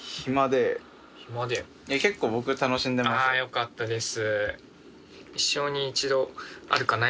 よかったです。